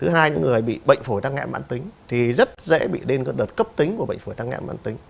thứ hai những người bị bệnh phổi tăng nghẹn mạng tính thì rất dễ bị lên đợt cấp tính của bệnh phổi tăng nghẹn mạng tính